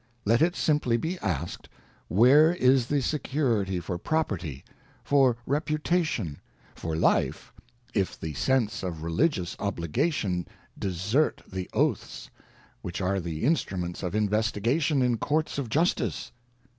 ŌĆö Let it simply be asked where is the security for property, for reputation, for life, if the sense of religious obligation desert the oaths, which are the instruments of in vestigation in Courts of Justice